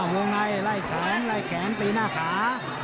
วงไล่ไล่แข็งไล่แข็งตีหน้าขา